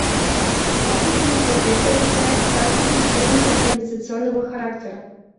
Отсутствие прогресса объясняется также причинами организационного характера.